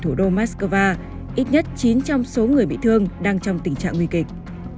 thủ đô moscow ít nhất chín trong số người bị thương đang trong tình trạng nguy kịch